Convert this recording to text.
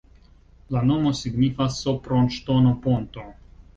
La nomo signifas: Sopron-ŝtono-ponto.